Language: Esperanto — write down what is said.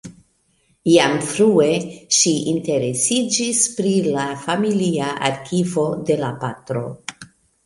Jam frue ŝi interesiĝis pri la familia arkivo de la patro.